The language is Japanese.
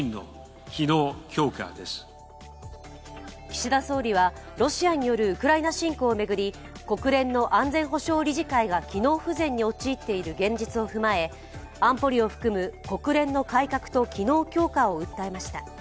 岸田総理はロシアによるウクライナ侵攻を巡り国連の安全保障理事会が機能不全に陥っている現実を踏まえ安保理を含む、国連の改革と機能強化を訴えました。